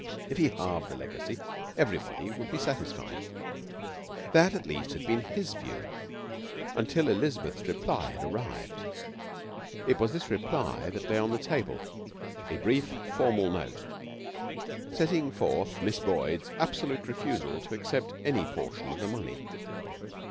If he halved the legacy everybody would be satisfied. That at least had been his view until Elizabeth's reply had arrived. It was this reply that lay on the table a brief, formal note, setting forth Miss Boyd's absolute refusal to accept any portion of the money.